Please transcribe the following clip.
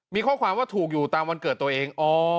มีข้อความว่าถูกอยู่ตามวันเกิดตัวเอง